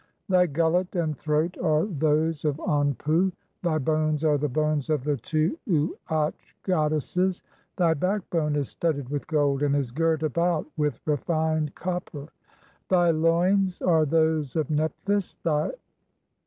Thy gullet and throat are those "of Anpu ; thy bones are the bones of the two Uatch goddesses ; "thy backbone is (20) studded with gold, and is girt about (?) "with refined copper ; thy loins (?) are those of Nephthys ; thy